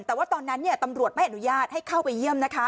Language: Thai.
แต่ว่าตอนนั้นตำรวจไม่อนุญาตให้เข้าไปเยี่ยมนะคะ